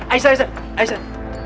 aisyah aisyah aisyah